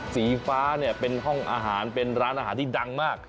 สีฟ้าเนี่ยเป็นห้องอาหารเป็นร้านอาหารที่ดังมาก